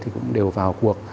thì cũng đều vào cuộc